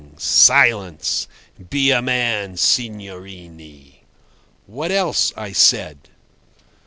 Silence! Be a man, signorine." "What else?" I said.